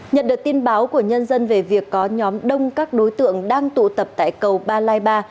nhận được tin báo của nhân dân về việc có nhóm đông các đối tượng đang tụ tập tại cầu ba lai ba